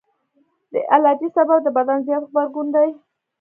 د الرجي سبب د بدن زیات غبرګون دی.